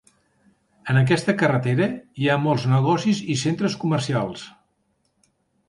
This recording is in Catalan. En aquesta carretera hi ha molts negocis i centres comercials.